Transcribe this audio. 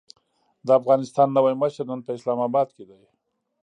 د افغانستان نوی مشر نن په اسلام اباد کې دی.